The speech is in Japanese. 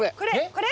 これ！